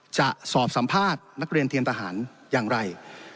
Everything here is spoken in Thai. จะสอบสัมภาษณ์นักเรียนเทียนทหารอย่างไร